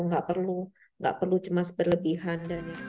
nggak perlu cemas berlebihan